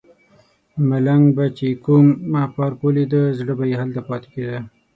ملنګ به چې کوم پارک ولیده زړه به یې هلته پاتې کیده.